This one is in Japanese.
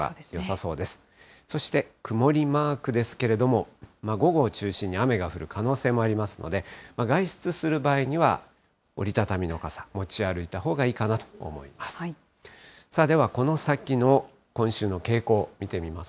そして曇りマークですけれども、午後を中心に雨が降る可能性もありますので、外出する場合には、折り畳みの傘、持ち歩いたほうがいいかなと思います。